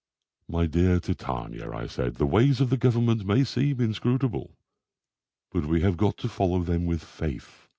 "My dear Titania," I said, "the ways of the Government may seem inscrutable, but we have got to follow them with faith.